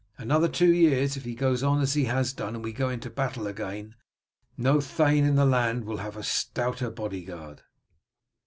Another two years, if he goes on as he has done and we go into battle again, no thane in the land will have a stouter body guard."